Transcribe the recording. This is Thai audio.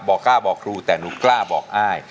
กล้าบอกครูแต่หนูกล้าบอกอ้าย